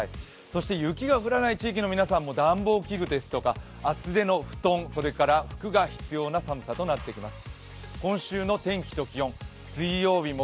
そして雪が降らない地域の皆さんも暖房器具ですとか厚手の布団、それから服が必要な寒さとなってきます。